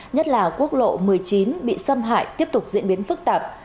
nhất là quốc lộ một mươi chín bị xâm hại tiếp tục diễn biến phức tạp